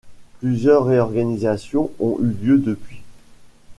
Plusieurs réorganisations ont eu lieu depuis.